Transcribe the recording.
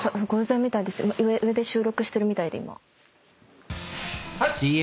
上で収録してるみたいで今。